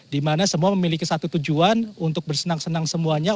dimana semua memiliki satu tujuan untuk bersenang senang semuanya